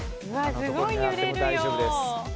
すごい揺れるよ。